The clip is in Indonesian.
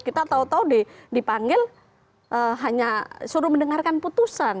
kita tau tau dipanggil hanya suruh mendengarkan putusan